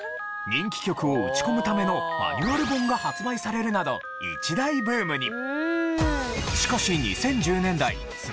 人気曲を打ち込むためのマニュアル本が発売されるなど一大ブームに。